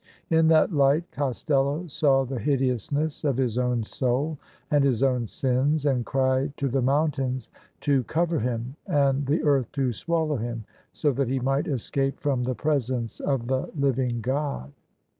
In that light Costello saw the hideousness of his own soul and his own sins and cried to the mountains to cover him and the earth to swallow him, so that he might escape from the Presence of the living God.